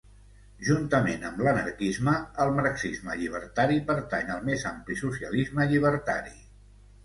Juntament amb l'anarquisme, el marxisme llibertari pertany al més ampli socialisme llibertari.